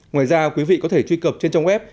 ngoài ra quý vị có thể truy cập trên trang web